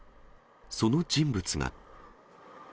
その人物が。